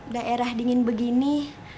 daerah dingin begini